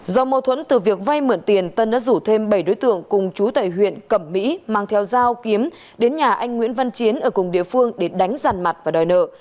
do mâu thuẫn từ việc vay mượn tiền tân đã rủ thêm bảy đối tượng cùng chú tại huyện cẩm mỹ mang theo dao kiếm đến nhà anh nguyễn văn chiến ở cùng địa phương để đánh giàn mặt và đòi nợ